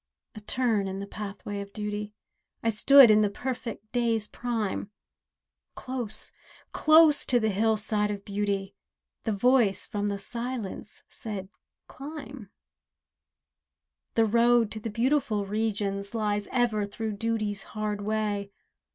A turn in the pathway of duty— I stood in the perfect day's prime, Close, close to the hillside of beauty The Voice from the Silence said "Climb" The road to the beautiful Regions Lies ever through Duty's hard way.